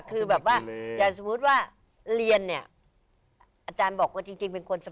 คือแบบว่าอย่างสมมุติว่าเรียนเนี่ยอาจารย์บอกว่าจริงเป็นคน